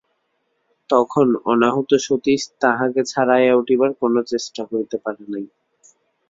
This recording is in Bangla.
তখন অনাহূত সতীশ তাহাকে ছাড়াইয়া উঠিবার কোনো চেষ্টা করিতে পারে নাই।